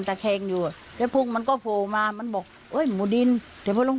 ตะแคงอยู่แล้วพุ่งมันก็โผล่มามันบอกเอ้ยหมูดินเดี๋ยวพอลง